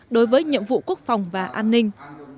đối với nhiệm vụ quốc phòng và an ninh